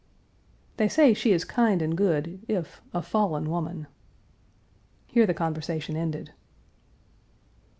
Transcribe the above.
"They say she is kind and good if a fallen woman." Here the conversation ended.